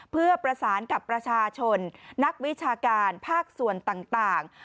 เพื่อประสานกับประชาชนนักวิชาการภาคส่วนต่าง